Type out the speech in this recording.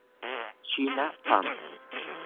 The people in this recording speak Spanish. China, Fam.